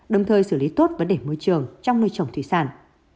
đồng thời xử lý tốt vấn đề môi trường trong nuôi trồng thủy sản